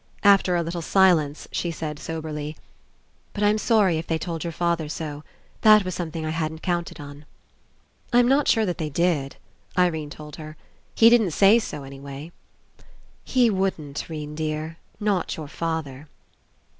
After a little silence she said soberly: "But I'm sorry if they told your father so. That was something I hadn't counted on." "I'm not sure that they did," Irene told her. "He didn't say so, anyway.'* "He wouldn't, 'Rene dear. Not your father."